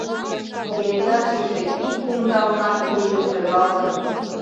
Кенета шиже: ик кумда оҥа ӱлычын тӧргалтын.